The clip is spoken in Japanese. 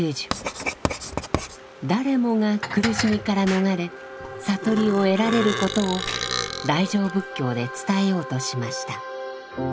誰もが苦しみから逃れ悟りを得られることを大乗仏教で伝えようとしました。